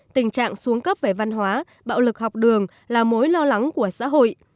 tình trạng xuống cấp về văn hóa bạo lực học đường là mối lo lắng của xã hội